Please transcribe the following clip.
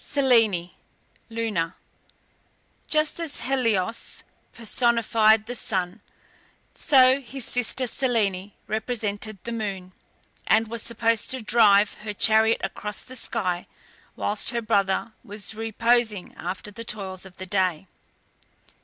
SELENE (LUNA). Just as Helios personified the sun, so his sister Selene represented the moon, and was supposed to drive her chariot across the sky whilst her brother was reposing after the toils of the day.